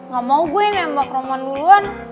gak mau gue yang nembak roman duluan